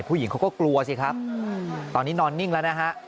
ผู้หญิงเขาก็กลัวสิครับตอนนี้นอนนิ่งแล้วนะฮะ